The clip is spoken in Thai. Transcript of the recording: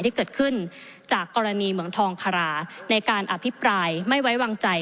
ที่เกิดขึ้นจากกรณีเหมืองทองคาราในการอภิปรายไม่ไว้วางใจ